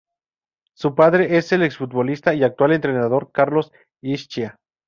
Su padre es el ex- futbolista y actual entrenador Carlos Ischia.